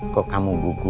kok kamu gugup